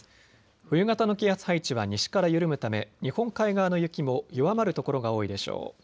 冬型の気圧配置は西から緩むため日本海側の雪も弱まる所が多いでしょう。